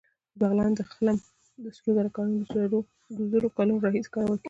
د بغلان د خلم د سرو زرو کانونه د زرو کلونو راهیسې کارول کېږي